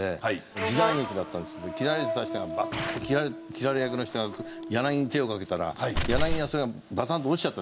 時代劇だったんですけど斬られてた人がバスッと斬られ役の人が柳に手をかけたら柳がバサンと落ちちゃった。